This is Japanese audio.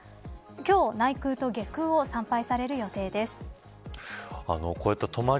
今日、内宮と外宮を参拝される予定です。